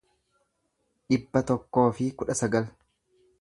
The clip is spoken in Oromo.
dhibba tokkoo fi kudha sagal